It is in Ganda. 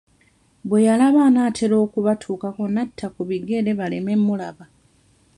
Bwe yalaba anaatera okubatuukako n'atta ku bigere baleme mmulaba.